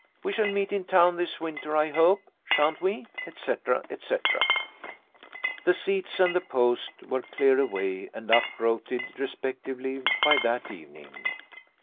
We shall meet in town this winter, I hope, shan't we?' etc., etc. The seats and the post were cleared away and uprooted respectively by that evening.